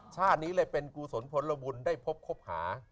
ชาตินี้เลยเป็นกุศลพลบุญได้พบคบหา